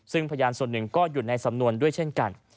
ซึ่งพยานส่วนหนึ่งก็อยู่ในสำนวนด้วยเช่นกัน